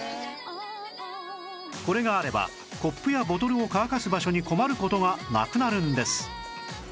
これがあればコップやボトルを乾かす場所に困る事がなくなるんです